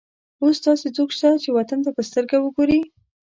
اوس داسې څوک شته چې وطن ته په سترګه وګوري.